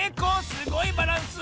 すごいバランス！